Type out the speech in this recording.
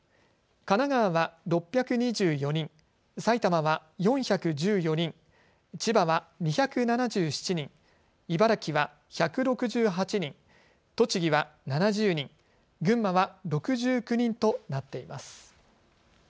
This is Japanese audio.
神奈川は６２４人、埼玉は４１４人、千葉は２７７人、茨城は１６８人、栃木は７０人、群馬は６９人となっています。